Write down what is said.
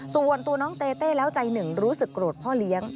ส่วนตัวน้องเต้เต้แล้วใจหนึ่งรู้สึกโกรธพ่อเลี้ยง